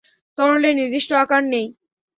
তরলের নির্দিষ্ট আকার নেই।